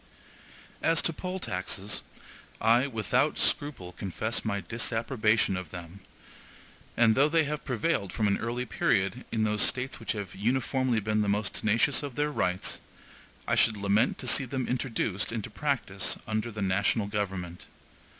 As to poll taxes, I, without scruple, confess my disapprobation of them; and though they have prevailed from an early period in those States(1) which have uniformly been the most tenacious of their rights, I should lament to see them introduced into practice under the national government.